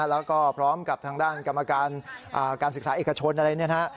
แล้วก็พร้อมกับทางด้านกรรมการการศึกษาเอกชนอะไรเนี่ยนะฮะ